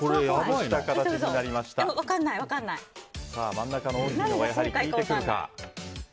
真ん中の大きいのが効いてくるか。